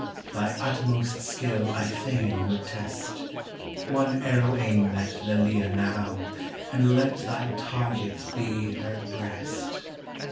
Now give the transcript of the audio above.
Thy utmost skill I fain would test ; One arrow aim at Lelia now, And let thy target be her breast